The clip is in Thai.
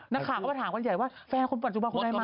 นักข่าวเขามาถามคนใหญ่ว่าแฟนคุณปัจจุบันคุณนายม้า